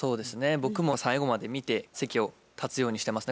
僕も最後まで見て席を立つようにしてますね。